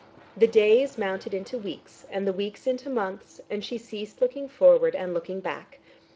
The days mounted into weeks and the weeks into months, and she ceased looking forward and looking back.